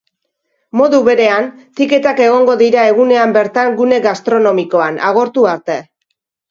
Modu berean, tiketak egongo dira egunean bertan gune gastronomikoan, agortu arte.